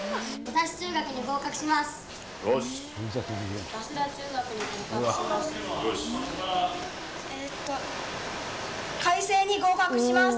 早稲田中学に合格します。